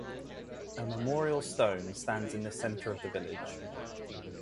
A memorial stone stands in the centre of the village.